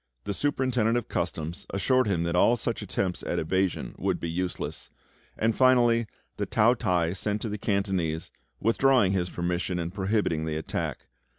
The Superintendent of Customs assured him that all such attempts at evasion would be useless; and, finally, the Tao t'ai sent to the Cantonese, withdrawing his permission, and prohibiting the attack.